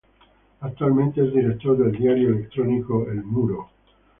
Actualmente es director del diario electrónico "El Muro".